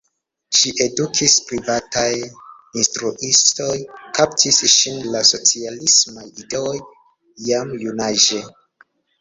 Ŝin edukis privataj instruistoj, kaptis ŝin la socialismaj ideoj jam junaĝe.